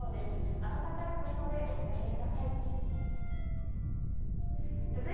暖かい服装でお出かけください。